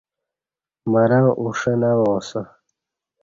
مرں اُݜہ نہ وااسہ